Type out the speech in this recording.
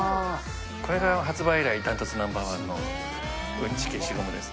これが発売以来、断トツナンバーワンのうんち消しゴムです。